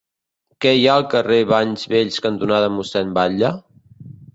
Què hi ha al carrer Banys Vells cantonada Mossèn Batlle?